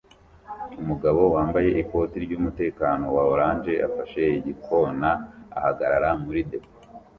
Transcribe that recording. Umugabo wambaye ikoti ryumutekano wa orange afashe igikona ahagarara muri depo